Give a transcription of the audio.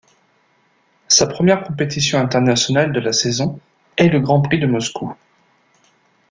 Sa première compétition internationale de la saison est le Grand Prix de Moscou.